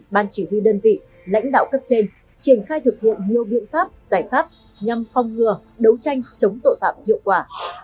ban chỉ huy đơn vị lãnh đạo cấp trên triển khai thực hiện nhiều biện pháp giải pháp nhằm phong ngừa đấu tranh chống tội phạm hiệu quả